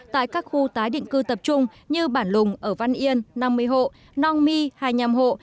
tại các khu tái định cư tập trung như bản lùng ở văn yên năm mươi hộ nong my hai mươi năm hộ